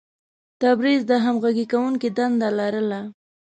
تبریز د همغږي کوونکي دنده لرله.